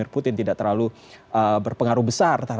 terutama tadi saya sudah sebutkan gotong royong